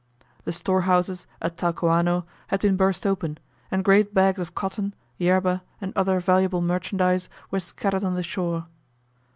The storehouses at Talcahuano had been burst open, and great bags of cotton, yerba, and other valuable merchandise were scattered on the shore.